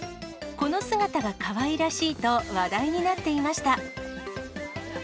この姿がかわいらしいと、話題になっていました。